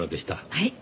はい。